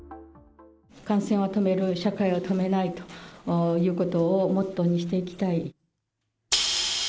感染を止める、社会を止めないということをモットーにしていきたい。